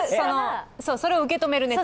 それを受け止めるネット。